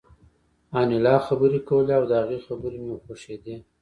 انیلا خبرې کولې او د هغې خبرې مې خوښېدې